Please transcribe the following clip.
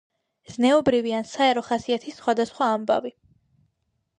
ზნეობრივი ან საერო ხასიათის სხვადასხვა ამბავი.